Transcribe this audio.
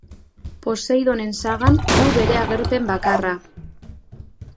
Poseidonen sagan du bere agerpen bakarra.